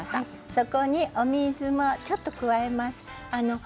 そこにお水をちょっと加えます。